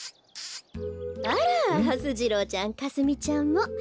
あらはす次郎ちゃんかすみちゃんも。